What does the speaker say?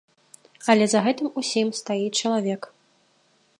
Але за гэтым усім стаіць чалавек.